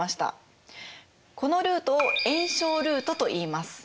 このルートを援ルートといいます。